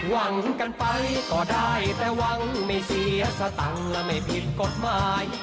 หวังกันไปก็ได้แต่หวังไม่เสียสตังค์และไม่ผิดกฎหมาย